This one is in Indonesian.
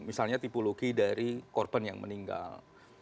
misalnya tipologi dari korban yang meninggal